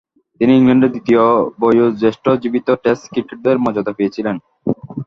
তিনি ইংল্যান্ডের দ্বিতীয় বয়োজ্যেষ্ঠ জীবিত টেস্ট ক্রিকেটারের মর্যাদা পেয়েছিলেন।